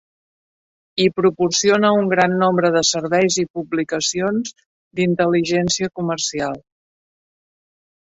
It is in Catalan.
I proporciona un gran nombre de serveis i publicacions d"intel·ligència comercial.